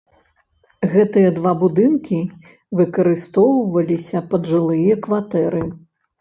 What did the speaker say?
Гэтыя два будынкі выкарыстоўваліся пад жылыя кватэры.